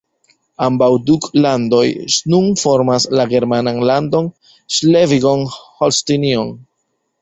Ambaŭ duklandoj nun formas la germanan landon Ŝlesvigon-Holstinion.